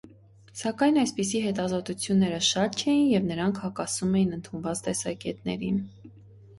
Սակայն այսպիսի հետազոտությունները շատ չէին, և նրանք հակասում էին ընդունված տեսակետներին։